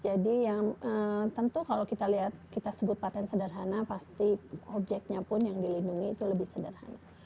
jadi yang tentu kalau kita lihat kita sebut patent sederhana pasti objeknya pun yang dilindungi itu lebih sederhana